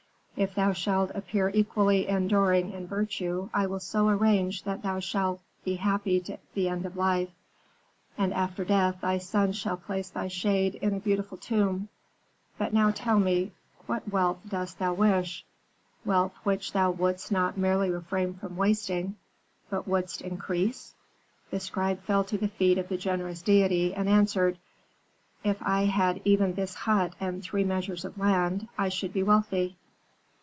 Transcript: If thou shalt appear equally enduring in virtue I will so arrange that thou shalt be happy to the end of life, and after death thy sons shall place thy shade in a beautiful tomb. But now tell me: what wealth dost thou wish, wealth which thou wouldst not merely refrain from wasting, but wouldst increase?' "The scribe fell to the feet of the generous deity, and answered, "'If I had even this hut and three measures of land, I should be wealthy.'